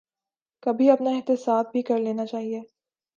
کبھی اپنا احتساب بھی کر لینا چاہیے۔